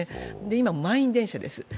今、満員電車です。